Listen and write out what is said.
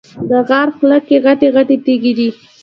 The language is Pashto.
د غار خوله کې غټې غټې تیږې دي.